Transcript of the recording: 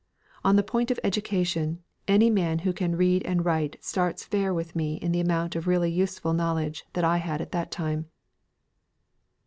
On the point of education, any man who can read and write starts fair with me in the amount of really useful knowledge that I had at that time."